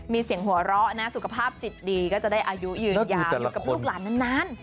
มีเสียงหัวเราะนะสุขภาพจิตดีก็จะได้อายุยืนยาวอยู่กับลูกหลานนาน